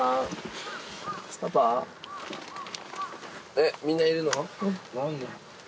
えっみんないるの？